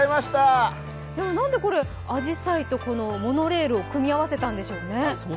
なんでこれ、あじさいとモノレールを組み合わせたんでしょうね。